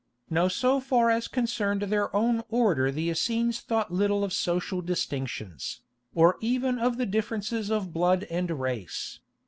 Now so far as concerned their own order the Essenes thought little of social distinctions, or even of the differences of blood and race.